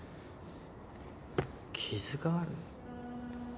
傷がある？